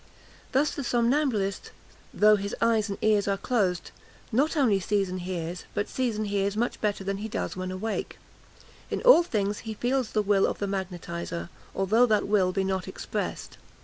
Thus the somnambulist, though his eyes and ears are closed, not only sees and hears, but sees and hears much better than he does when awake. In all things he feels the will of the magnetiser, although that will be not expressed.